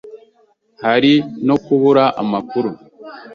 “Hari no kubura amakuru